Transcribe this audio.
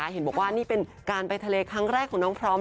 เห็นบอกว่านี่เป็นการไปทะเลครั้งแรกของน้องพร้อม